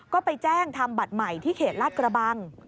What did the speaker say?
ก็ไปแจ้งทำบัตรใหม่ที่เขตลาดกระบัง